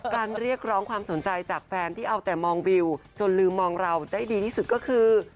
เรียกร้องความสนใจจากแฟนที่เอาแต่มองวิวจนลืมมองเราได้ดีที่สุดก็คือ